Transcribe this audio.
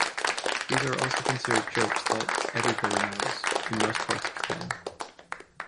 These are also considered jokes that "everybody knows" in most parts of Japan.